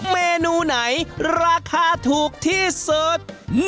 เมนูไหนราคาถูกที่สุด